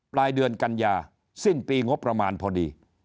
ปลายเดือนกันยาสิ้นปีงบประมาณพอดี